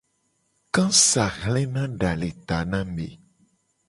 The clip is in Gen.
Kasa hlena da le ta na ame.